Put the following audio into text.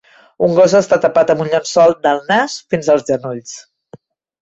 Un gos està tapat amb un llençol del nas fins als genolls.